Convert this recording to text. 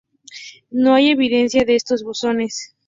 No hay evidencia de estos bosones.